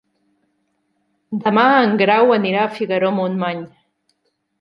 Demà en Grau anirà a Figaró-Montmany.